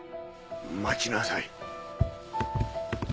待ちなさい。